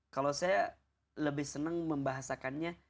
kalau saya lebih senang membahasakannya